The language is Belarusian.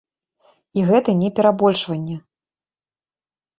І гэта не перабольшванне.